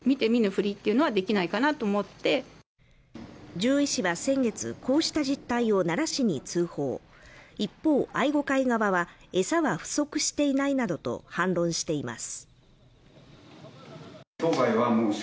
獣医師は先月、こうした実態を奈良市に通報一方、愛護会側は餌は不足していないなどと反論しています。